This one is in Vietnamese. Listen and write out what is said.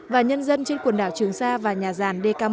và nhân dân trên quần đảo trường sa và nhà ràn dk một